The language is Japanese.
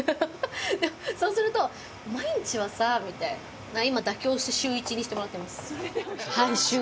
そうすると、「毎日はさ」みたいな。今、妥協して週一にしてもらってます。